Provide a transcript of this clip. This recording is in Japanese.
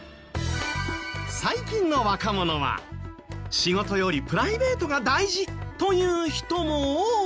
最近の若者は仕事よりプライベートが大事という人も多いけど。